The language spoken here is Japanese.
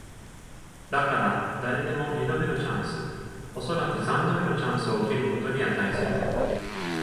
だから、誰でも二度目のチャンス、おそらく三度目のチャンスを受けることに値する。